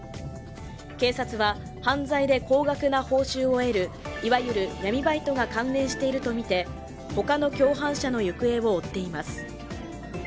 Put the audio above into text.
警察は、犯罪で高額な報酬を得るいわゆる闇バイトが関連しているとみて他の共犯者の行方を追っています。